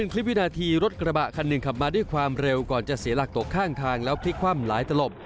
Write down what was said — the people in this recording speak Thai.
กระบะคันหนึ่งขับมาด้วยความเร็วก่อนจะเสียหลักตกข้างทางแล้วพลิกความหลายตลบ